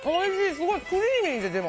すごいクリーミーです。